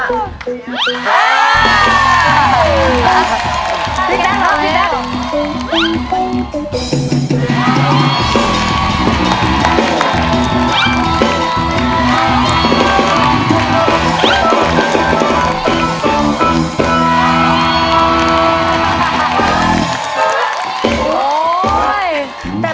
เออพี่แจ้งครับพี่แจ้ง